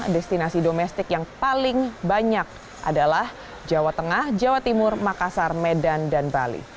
destinasi domestik yang paling banyak adalah jawa tengah jawa timur makassar medan dan bali